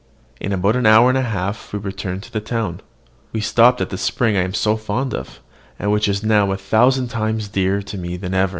In about an hour and a half we returned to the town. We stopped at the spring I am so fond of, and which is now a thousand times dearer to me than ever.